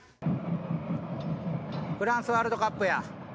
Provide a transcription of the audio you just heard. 「フランスワールドカップや」